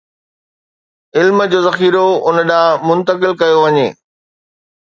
علم جو ذخيرو ان ڏانهن منتقل ڪيو وڃي